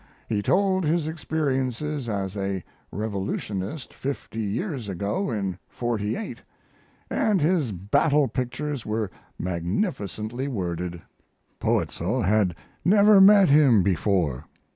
He told his experiences as a revolutionist 50 years ago in '48, & his battle pictures were magnificently worded. Poetzl had never met him before.